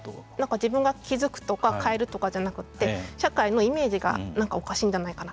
自分が気付くとか変えるとかじゃなくて社会のイメージがなんかおかしいんじゃないかな